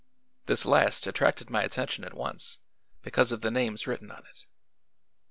This last attracted my attention at once, because of the names written on it.